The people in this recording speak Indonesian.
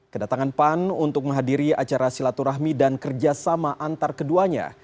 kedatangan pan untuk menghadiri acara silaturahmi dan kerjasama antar keduanya